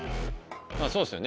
そうですよね